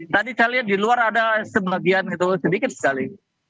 tadi saya lihat di luar ada sebagian gitu sedikit sekali